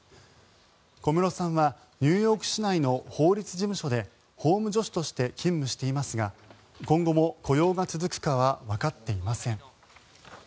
小室さんはニューヨーク市内の法律事務所で法務助手として勤務していますが今後も雇用が続くかはわかっていません。